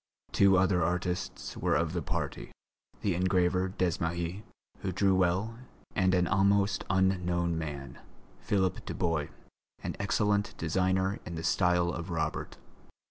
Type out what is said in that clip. Two other artists were of the party, the engraver Desmahis, who drew well, and an almost unknown man, Philippe Dubois, an excellent designer in the style of Robert.